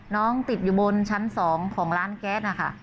น้องติดอยู่บนชั้น๒ของร้านแก๊สนะคะ